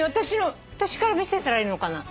私から見せたらいいのかな？